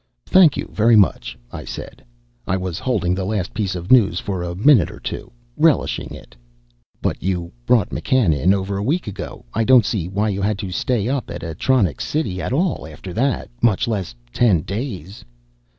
"Thank you very much," I said. I was holding the last piece of news for a minute or two, relishing it. "But you brought McCann in over a week ago. I don't see why you had to stay up at Atronics City at all after that, much less ten days."